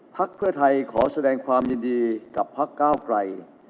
พักเพื่อไทยขอแสดงความยินดีกับพักก้าวไกล